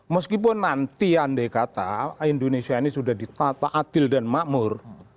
meskipun nanti andai kata indonesia ini sudah ditata adil dan makmur